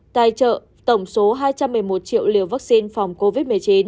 tài trợ tổng số hai trăm một mươi một triệu liều vaccine phòng covid một mươi chín